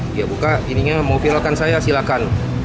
dia buka ininya mau pilokan saya silakan